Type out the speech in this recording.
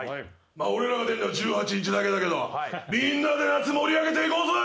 俺らが出るのは１８日だけだけどみんなで夏盛り上げていこうぜ！